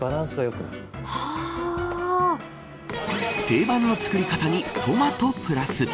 定番の作り方にトマトプラス。